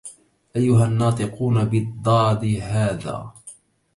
أيها الناطقون بالضاد هذا